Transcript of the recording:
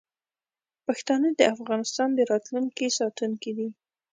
پښتانه د افغانستان د راتلونکي ساتونکي دي.